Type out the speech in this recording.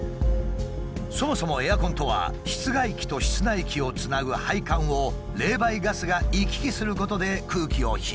そもそもエアコンとは室外機と室内機をつなぐ配管を冷媒ガスが行き来することで空気を冷やしている。